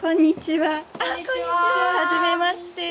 はじめまして。